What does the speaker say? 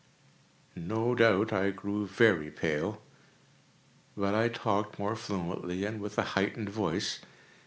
No doubt I now grew very pale;—but I talked more fluently, and with a heightened voice.